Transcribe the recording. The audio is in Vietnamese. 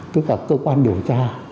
tức là cơ quan điều tra